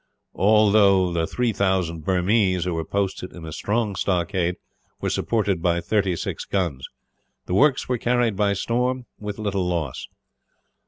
Although the 3000 Burmese, who were posted in a strong stockade, were supported by thirty six guns; the works were carried by storm, with little loss.